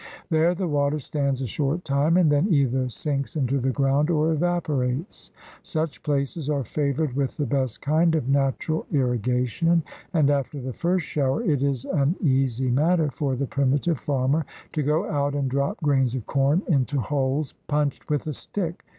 There the water stands a short time and then either sinks into the ground or evaporates. Such places are favored with the best kind of natural irrigation, and after the first shower it is an easy matter for the primitive farmer to go out and drop grains of corn into holes punched with a stick.